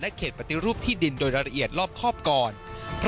และเขตปฏิรูปที่ดินโดยรายละเอียดรอบครอบกร